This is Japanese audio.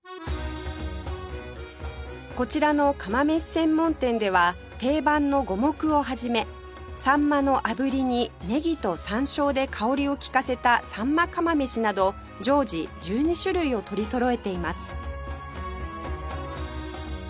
こちらの釜めし専門店では定番の五目を始めサンマの炙りにネギと山椒で香りを利かせた秋刀魚釜めしなど常時１２種類を取りそろえています